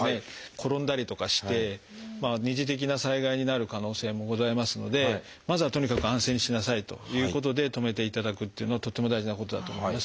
転んだりとかして二次的な災害になる可能性もございますのでまずはとにかく安静にしなさいということで止めていただくっていうのはとっても大事なことだと思います。